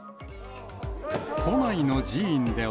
都内の寺院では。